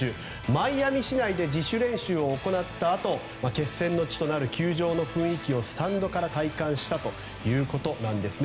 マイアミ市内で自主練習を行ったあと決戦の地となる球場の雰囲気をスタンドから体感したということです。